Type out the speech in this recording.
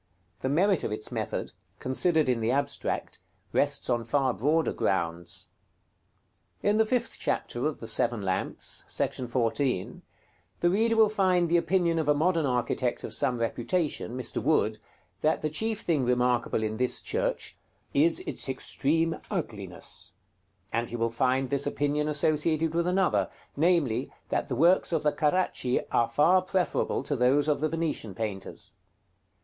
The merit of its method, considered in the abstract, rests on far broader grounds. In the fifth chapter of the "Seven Lamps," § 14, the reader will find the opinion of a modern architect of some reputation, Mr. Wood, that the chief thing remarkable in this church "is its extreme ugliness;" and he will find this opinion associated with another, namely, that the works of the Caracci are far preferable to those of the Venetian painters.